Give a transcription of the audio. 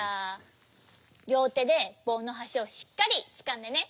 りょうてでぼうのはしをしっかりつかんでね。